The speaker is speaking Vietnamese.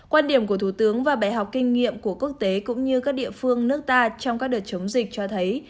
quan điểm của thủ tướng và bài học kinh nghiệm của quốc tế cũng như các địa phương nước ta trong các đợt chống dịch cho thấy